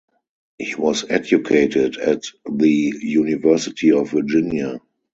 He was educated at the University of Virginia.